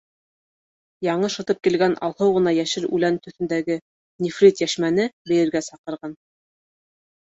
Яңы шытып килгән алһыу ғына йәшел үлән төҫөндәге Нефрит Йәшмәне бейергә саҡырған.